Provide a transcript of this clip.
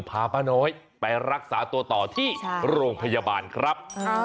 พาป้าน้อยไปรักษาตัวต่อที่โรงพยาบาลครับ